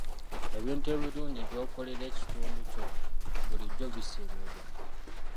Ebintu ebirungi by'okolera ekitundu kyo bulijjo bisiimibwa.